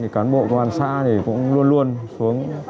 cán bộ công an xã cũng luôn luôn xuống